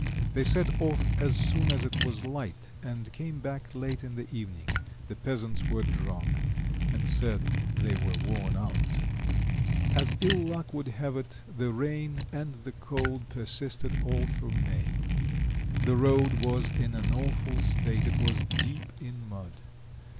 They set off as soon as it was light, and came back late in the evening; the peasants were drunk, and said they were worn out. As ill luck would have it, the rain and the cold persisted all through May. The road was in an awful state: it was deep in mud.